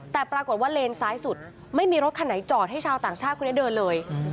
แต่ปรากฏว่าเลนซ้ายสุดไม่มีรถคันไหนจอดให้ชาวต่างชาติคนนี้เดินเลย